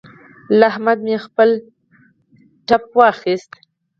له احمده مې خپل ټپ واخيست.